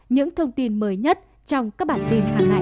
những thông tin mới nhất trong các bản tin hẳn này